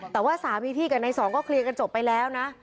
แต่ว่าสามีพี่กับในสองก็เคลียร์กันจบไปแล้วนะ